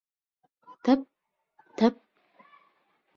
— Тып-тып!